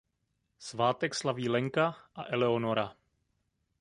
Svátek slaví Lenka a Eleonora.